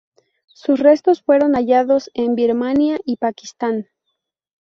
Sus restos fueron hallados en Birmania y Pakistán.